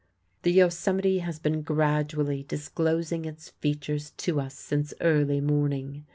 The Yosemite has been gradually disclosing its features to us since early morning.